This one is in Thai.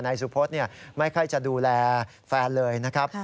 นายสุพธิ์เนี่ยไม่ค่อยจะดูแลแฟนเลยนะครับ